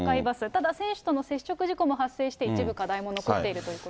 ただ選手との接触事故も発生して、一部課題も残っているということ